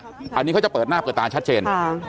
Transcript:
อันนี้เขาจะเปิดหน้าเปิดตาชัดเจน